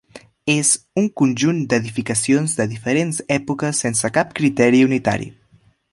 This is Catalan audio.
És un conjunt d'edificacions de diferents èpoques sense cap criteri unitari.